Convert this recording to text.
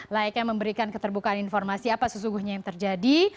layaknya memberikan keterbukaan informasi apa sesungguhnya yang terjadi